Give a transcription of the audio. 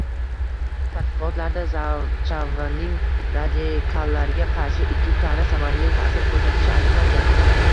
Tadqiqotlarda zarchavaning radikallarga qarshi ikki karra samarali ta’sir ko‘rsatishi aniqlangan